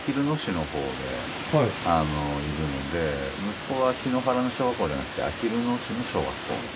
息子は檜原の小学校じゃなくてあきる野市の小学校に。